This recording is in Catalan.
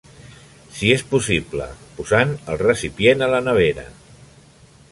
Si és possible, posant el recipient a la nevera.